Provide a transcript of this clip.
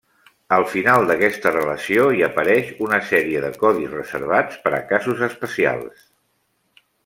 Al final d'aquesta relació hi apareix una sèrie de codis reservats per a casos especials.